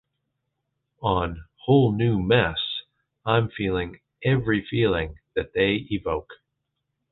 On "Whole New Mess" I’m feeling every feeling that they evoke.